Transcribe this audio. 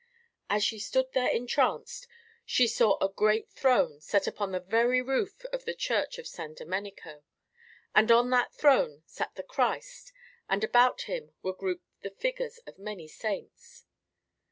As she stood there entranced, she saw a great throne set upon the very roof of the Church of San Domenico, and on that throne sat the Christ and about Him were grouped the figures of many saints.